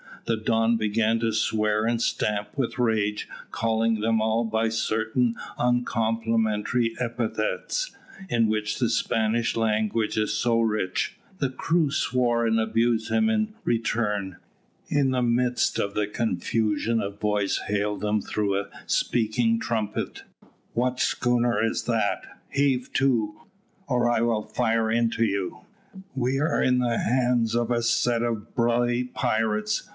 The Don began to swear and stamp with rage, calling them all by certain uncomplimentary epithets, in which the Spanish language is so rich. The crew swore and abused him in return. In the midst of the confusion a voice hailed them through a speaking trumpet. "What schooner is that? Heave to, or I will fire into you." "We are in the hands of a set of bloody pirates.